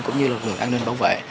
cũng như lực lượng an ninh bảo vệ